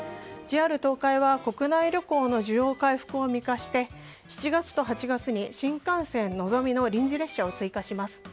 ＪＲ東海は国内旅行の需要回復を見越して７月と８月に新幹線「のぞみ」の臨時列車を追加します。